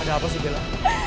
ada apa sih bella